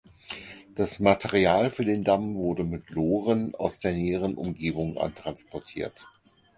Das Material für den Damm wurde mit Loren aus der näheren Umgebung antransportiert.